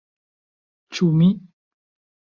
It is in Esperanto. Ĉu mi?!